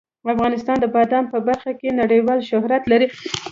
افغانستان د بادام په برخه کې نړیوال شهرت لري.